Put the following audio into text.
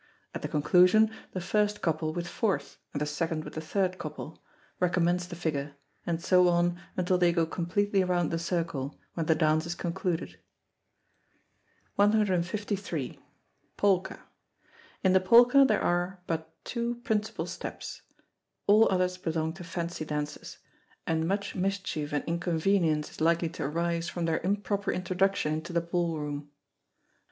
At the conclusion, the first couple with fourth, and the second with the third couple, recommence the figure, and so on until they go completely round the circle, when the dance is concluded. 153. Polka. In the polka there an but two principal steps, all others belong to fancy dances, and much mischief and inconvenience is likely to arise from their improper introduction into the ball room.